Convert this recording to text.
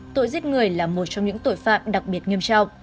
tội giết người là một trong những tội phạm đặc biệt nghiêm trọng